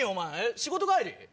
仕事帰り？